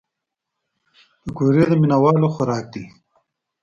پکورې د مینهوالو خوراک دی